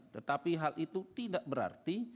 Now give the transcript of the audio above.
tetapi hal itu tidak berarti